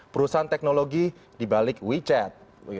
perusahaan teknologi di balik wechat